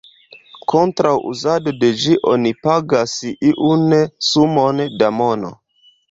Kontraŭ uzado de ĝi oni pagas iun sumon da mono.